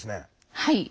はい。